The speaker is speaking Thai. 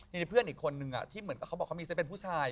มีเพื่อนอีกคนนึงที่เหมือนกับเขาบอกเขามีเส้นเป็นผู้ชาย